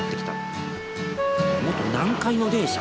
元南海の電車。